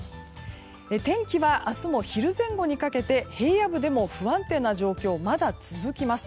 天気は明日も昼前後にかけて平野部でも不安定な状況がまだ、続きます。